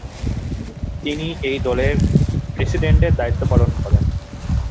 তিনি এই দলের প্রেসিডেন্টের দায়িত্বপালন করেন।